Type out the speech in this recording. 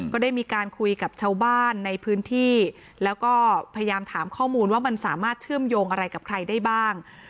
ก็ได้มีการคุยกับชาวบ้านในพื้นที่แล้วก็พยายามถามข้อมูลว่ามันสามารถเชื่อมโยงอะไรกับใครได้บ้าง